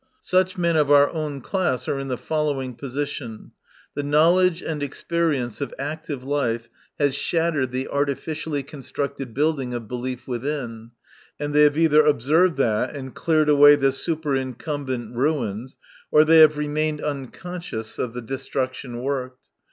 Such men of our own class are in the following position : the knowledge and experience of active life has shattered the artificially constructed building of belief within, and they have either observed that and cleared away the superincumbent ruins, or they have remained unconscious of the destruction worked.